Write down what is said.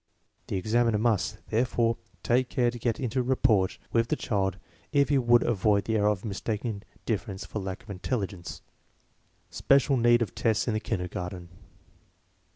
The examiner must, therefore, take care to get into rapport with the child if he would avoid the error of mistaking diffidence for lack of intelligence. Special need of tests in the kindergarten.